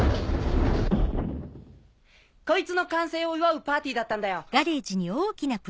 こいつの完成を祝うパーティーだったんだよ。